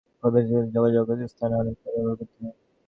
Cocopeat থেকে অ্যান্টেনার মাধ্যমে যোগাযোগ স্থাপনে অনেক তার ব্যবহার করতে হয়।